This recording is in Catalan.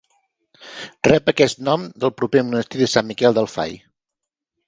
Rep aquest nom del proper monestir de Sant Miquel del Fai.